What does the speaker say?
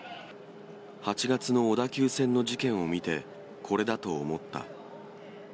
８月の小田急線の事件を見て、これだと思った。